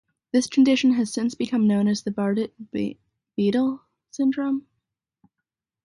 This condition has since become known as the Bardet-Biedl syndrome.